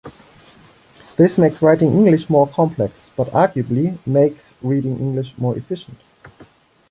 This makes writing English more complex, but arguably makes reading English more efficient.